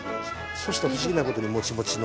そしたら不思議なことにモチモチの。